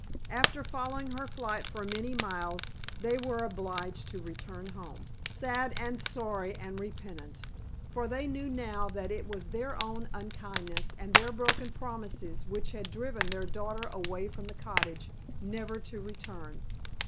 After following her flight for many miles they were obliged to return home, sad and sorry and repentant. For they knew now that it was their own unkindness and their broken promises which had driven their daughter away from the cottage, never to return.